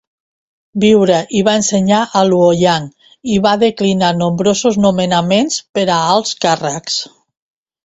Viure i va ensenyar a Luoyang, i va declinar nombrosos nomenaments per a alts càrrecs.